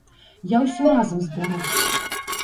Я ўсё разам збяру.